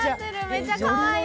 めちゃかわいい。